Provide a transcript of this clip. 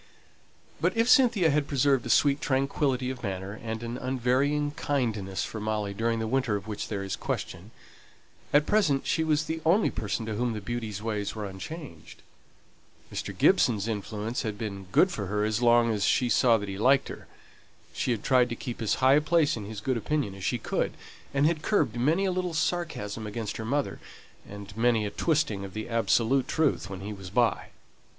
But if Cynthia had preserved a sweet tranquillity of manner and an unvarying kindness for Molly during the winter of which there is question, at present she was the only person to whom the beauty's ways were unchanged. Mr. Gibson's influence had been good for her as long as she saw that he liked her; she had tried to keep as high a place in his good opinion as she could, and had curbed many a little sarcasm against her mother, and many a twisting of the absolute truth when he was by.